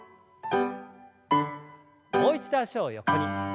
もう一度脚を横に。